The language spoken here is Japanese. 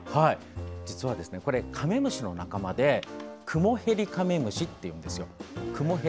実はこれ、カメムシの仲間でクモヘリカメムシというんですよ。